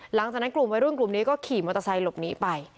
หลังจากนั้นกลุ่มวัยรุ่นกลุ่มนี้ก็ขี่มอเตอร์ไซค์หลบหนีไป